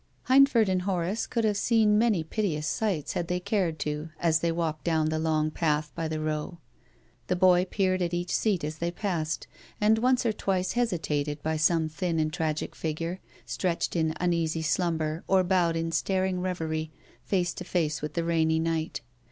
Hindford and Horace could have seen many piteous sights had they cared to as they walked down the long path by the Row. The boy peered at each seat as they passed, and once or twice hesitated by some thin and tragic figure, stretched in uneasy slumber or bowed in staring reverie face to face with the rainy night.